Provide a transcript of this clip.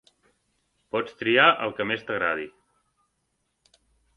Pots triar el que més t'agradi.